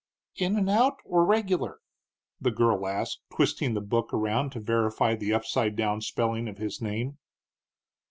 "In and out, or regular?" the girl asked, twisting the book around to verify the upside down spelling of his name.